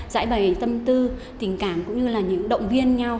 giải bày tâm tư tình cảm cũng như là những động viên nhau